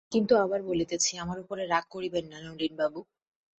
কিন্তু আবার বলিতেছি, আমার উপরে রাগ করিবেন না নলিনবাবু।